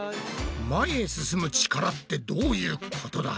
前へ進む力ってどういうことだ？